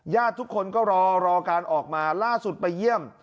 ทุกคนก็รอรอการออกมาล่าสุดไปเยี่ยม